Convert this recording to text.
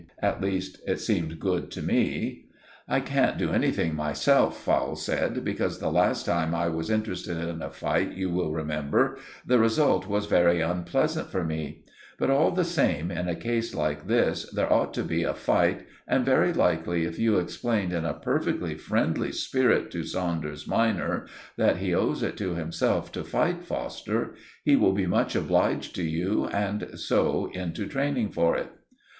At least, it seemed good to me. "I can't do anything myself," Fowle said, "because the last time I was interested in a fight, you will remember, the result was very unpleasant for me; but all the same, in a case like this, there ought to be a fight, and very likely if you explained in a perfectly friendly spirit to Saunders minor that he owes it to himself to fight Foster, he will be much obliged to you, and so into training for it."